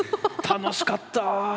楽しかった！